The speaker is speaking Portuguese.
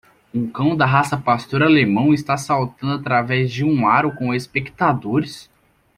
Um cão da raça pastor alemão está saltando através de um aro com espectadores.